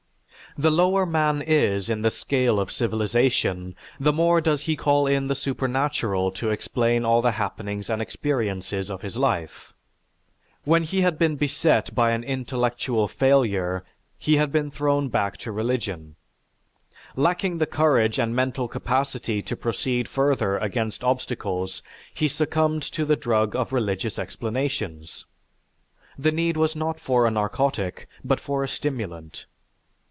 The lower man is in the scale of civilization, the more does he call in the supernatural to explain all the happenings and experiences of his life. When he had been beset by an intellectual failure he had been thrown back to religion. Lacking the courage and mental capacity to proceed further against obstacles he succumbed to the drug of religious explanations. The need was not for a narcotic, but for a stimulant.